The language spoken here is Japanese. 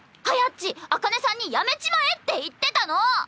ち紅葉さんにやめちまえって言ってたの。